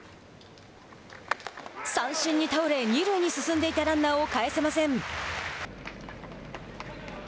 三振に倒れ二塁に進んでいたランナーを帰せません。